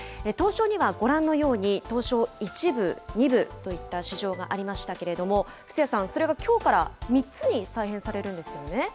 東証にはご覧のように東証１部、２部といった市場がありましたけれども、布施谷さん、それがきょうから３つに再編されるんですよね。